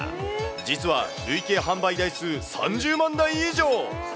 実は累計販売台数３０万台以上。